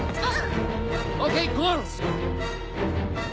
あっ！